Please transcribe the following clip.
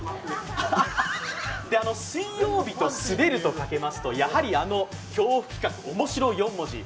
水曜日とすべるとかけますとやはり、あの恐怖企画、おもしろ４文字。